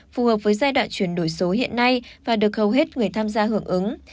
phù hợp với giai đoạn chuyển đổi số hiện nay và được hầu hết người tham gia hưởng ứng